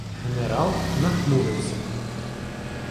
Генерал нахмурився.